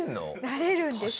なれるんですよ。